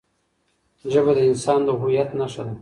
ژبه د انسان د هویت نښه ده.